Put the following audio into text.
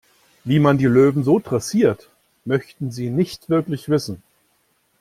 Wie man die Löwen so dressiert, möchten Sie nicht wirklich wissen.